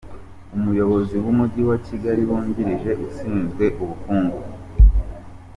Umuyobozi w’Umujyi wa Kigali wungirije ushinzwe ubukungu, .